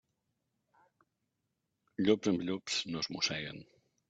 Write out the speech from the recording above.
Llops amb llops no es mosseguen.